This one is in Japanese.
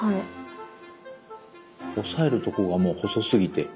押さえるところがもう細すぎて。